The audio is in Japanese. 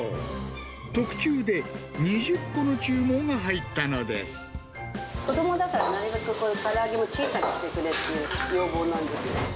特注で、子どもだから、なるべくから揚げも小さくしてくれという要望なんです。